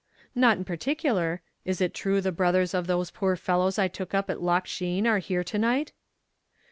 "Not in particular. Is it true the brothers of those poor fellows I took up at Loch Sheen are here to night?"